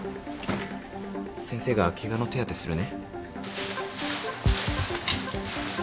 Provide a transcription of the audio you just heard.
先生がケガの手当てするね。